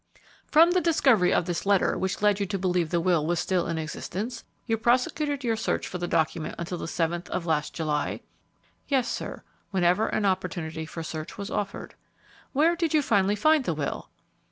"From the discovery of this letter which led you to believe the will was still in existence, you prosecuted your search for the document until the 7th of last July?" "Yes, sir, whenever an opportunity for search was offered." "Where did you finally find the will?"